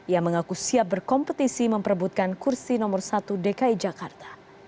ia mengaku siap berkompetisi memperebutkan kursi nomor satu dki jakarta